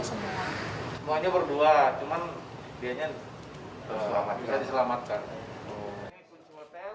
semuanya berdua cuman biarnya bisa diselamatkan